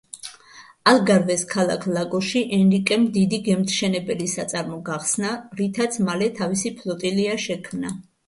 ალგარვეს ქალაქ ლაგოსში ენრიკემ დიდი გემთმშენებელი საწარმო გახსნა, რითაც მალე თავისი ფლოტილია შექმნა.